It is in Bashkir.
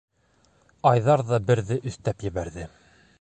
Айҙар ҙа берҙе өҫтәп ебәрҙе.